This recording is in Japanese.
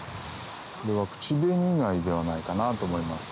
これは。ではないかなと思います。